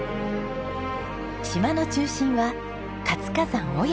島の中心は活火山雄山。